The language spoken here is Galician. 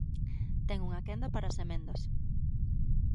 Ten unha quenda para as emendas.